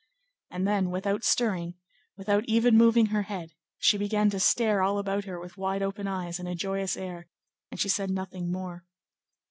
And then, without stirring, without even moving her head, she began to stare all about her with wide open eyes and a joyous air, and she said nothing more.